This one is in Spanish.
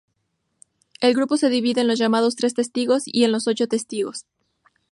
El grupo se divide en los llamados Tres Testigos y en los Ocho Testigos.